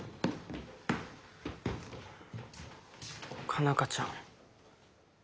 佳奈花ちゃん。